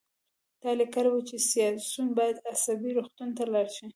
تا لیکلي وو چې سیاسیون باید عصبي روغتون ته لاړ شي